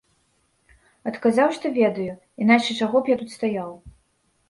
Адказаў, што ведаю, іначай чаго б я тут стаяў.